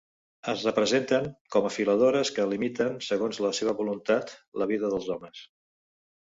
Es representen com a filadores que limiten, segons la seva voluntat, la vida dels homes.